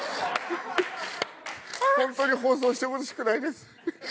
ホントに放送してほしくないです。